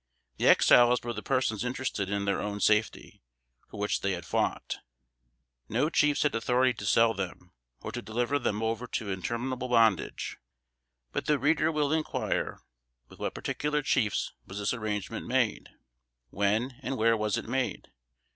The Exiles were the persons interested in their own safety, for which they had fought. No chiefs had authority to sell them, or to deliver them over to interminable bondage. But the reader will inquire, with what particular chiefs was this arrangement made? When, and where was it made?